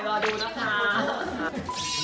เอ่อก็แต่งหน้าหน่อยค่ะ